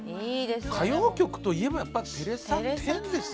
歌謡曲といえばやっぱりテレサ・テンですよ。